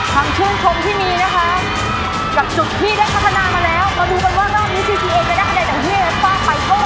ความชื่นชมที่มีนะคะกับจุดที่ได้พัฒนามาแล้ว